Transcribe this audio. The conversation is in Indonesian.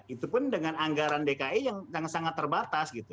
itu pun dengan anggaran dki yang sangat sangat terbatas gitu